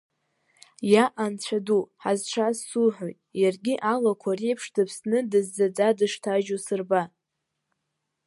Иа анцәа ду ҳазшаз суҳәоит, иаргьы алақәа реиԥш дыԥсны дыззаӡа дышҭажьу сырба!